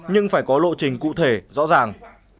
nhưng phải có lộ trình cụ thể rõ ràng